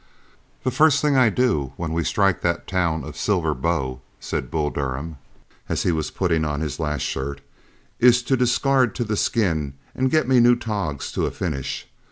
"The first thing I do when we strike that town of Silver Bow," said Bull Durham, as he was putting on his last shirt, "is to discard to the skin and get me new togs to a finish.